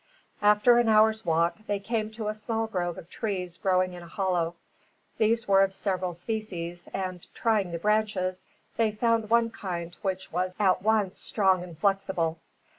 After an hour's walk, they came to a small grove of trees growing in a hollow. These were of several species and, trying the branches, they found one kind which was at once strong and flexible.